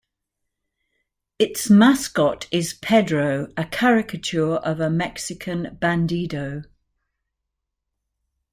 Its mascot is Pedro, a caricature of a Mexican bandido.